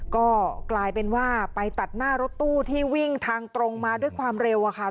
ก็กลายเป็นว่าไปตัดหน้ารถตู้ที่วิ่งทางตรงมาด้วยความเร็วอะค่ะ